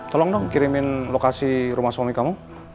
tolong dong kirimin lokasi rumah suami kamu